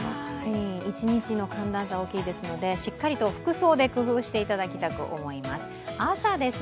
一日の寒暖差が大きいですので、しっかりと服装で工夫していただきたく思います。